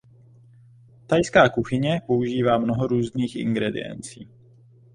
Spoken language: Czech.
Thajská kuchyně používá mnoho různých ingrediencí.